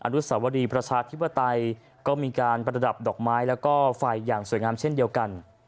อนุสวรีประชาธิปไตยก็มีการประดับดอกไม้แล้วก็ไฟอย่างสวยงามเช่นเดียวกัน